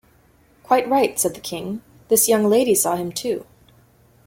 ‘Quite right,’ said the King: ‘this young lady saw him too’.